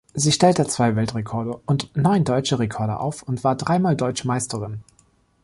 Sie stellte zwei Weltrekorde und neun Deutsche Rekorde auf und war dreimal Deutsche Meisterin.